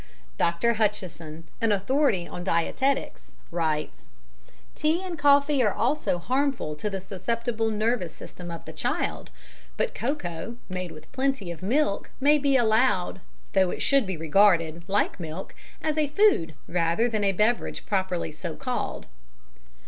Dr. Hutchison, an authority on dietetics, writes: "Tea and coffee are also harmful to the susceptible nervous system of the child, but cocoa, made with plenty of milk, may be allowed, though it should be regarded, like milk, as a food rather than a beverage properly so called."